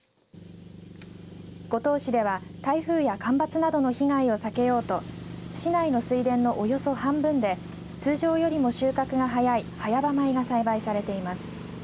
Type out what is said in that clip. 五島市では台風や干ばつなどの被害を避けようと市内の水田のおよそ半分で通常よりも収穫が早い早場米が栽培されています。